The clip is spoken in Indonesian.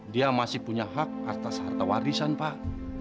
dia masih punya hak atas harta warisan pak